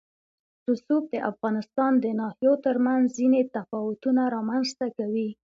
رسوب د افغانستان د ناحیو ترمنځ ځینې تفاوتونه رامنځ ته کوي.